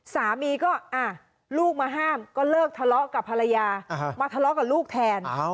สามีก็ลูกมาห้ามก็เลิกทะเลาะกับภรรยามาทะเลาะกับลูกแทน